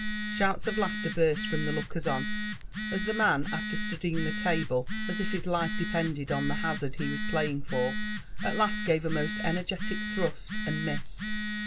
*' Shouts of laughter burst from the lookera^^Mi, as the man, after atu ^ dying the table as if his life depended on the hacard he w^ playing 6»r, ft last gaye a most energetic thrust and mined.